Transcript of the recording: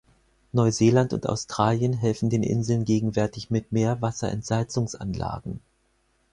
Neuseeland und Australien helfen den Inseln gegenwärtig mit Meerwasserentsalzungsanlagen.